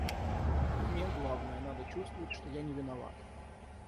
Мне, главное, надо чувствовать, что я не виноват.